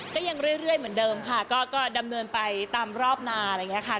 ก็ยังเรื่อยเหมือนเดิมค่ะก็ดำเนินไปตามรอบนาอะไรอย่างนี้ค่ะ